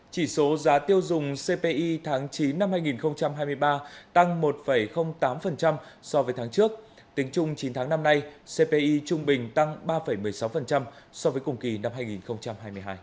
chỉ số giá tiêu dùng cpi tháng chín năm hai nghìn hai mươi ba tăng một tám so với tháng trước tính chung chín tháng năm nay cpi trung bình tăng ba một mươi sáu so với cùng kỳ năm hai nghìn hai mươi hai